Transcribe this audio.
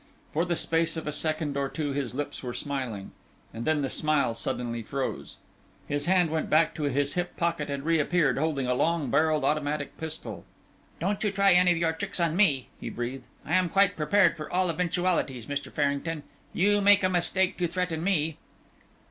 For the space of a second or two his lips were smiling, and then the smile suddenly froze. His hand went back to his hip pocket and reappeared, holding a long barrelled automatic pistol. "Don't you try any of your tricks on me," he breathed. "I am quite prepared for all eventualities, Mr. Farrington; you make a mistake to threaten me."